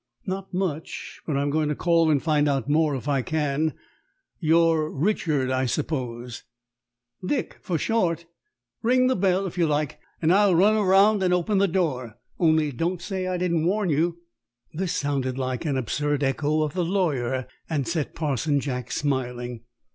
"Not much; but I'm going to call and find out more if I can. You're Richard, I suppose?" "Dick, for short. Ring the bell, if you like, and I'll run round and open the door. Only don't say I didn't warn you." This sounded like an absurd echo of the lawyer, and set Parson Jack smiling.